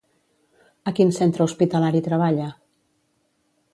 A quin centre hospitalari treballa?